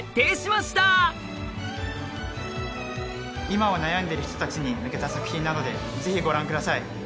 今は悩んでる人たちに向けた作品なのでぜひご覧下さい。